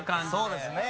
そうですね。